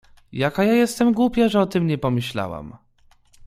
— Jaka ja jestem głupia, że o tym nie pomyślałam!